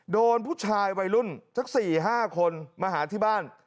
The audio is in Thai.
โดนผู้ชายวัยรุ่นสัก๔๕คนมาหาที่บ้าน